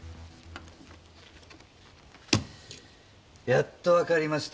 やっとわかりましたよ。